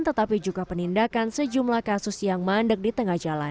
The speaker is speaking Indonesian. tetapi juga penindakan sejumlah kasus yang mandek di tengah jalan